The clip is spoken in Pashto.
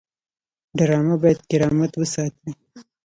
ډرامه باید کرامت وساتي